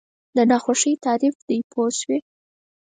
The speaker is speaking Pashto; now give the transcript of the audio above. د ناخوښۍ تعریف دی پوه شوې!.